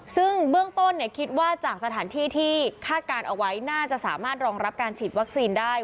ซึ่งเบื้องต้นคิดว่าจากสถานที่ที่คาดการณ์เอาไว้น่าจะสามารถรองรับการฉีดวัคซีนได้